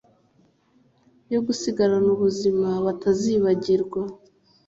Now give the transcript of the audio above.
yo gusigarana ubuzima batazibagirwa